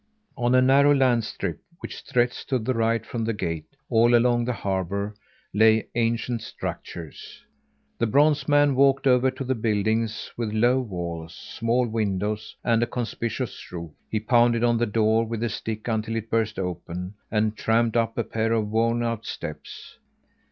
On a narrow land strip which stretched to the right from the gate, all along the harbour, lay ancient structures. The bronze man walked over to a building with low walls, small windows, and a conspicuous roof. He pounded on the door with his stick until it burst open; and tramped up a pair of worn out steps.